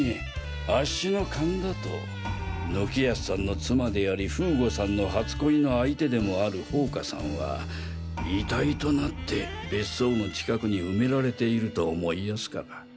アッシの勘だと貫康さんの妻であり風悟さんの初恋の相手でもある宝華さんは遺体となって別荘の近くに埋められていると思いやすから。